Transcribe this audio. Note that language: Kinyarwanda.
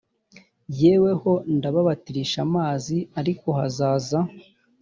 jyeweho ndababatirisha amazi ariko hazaza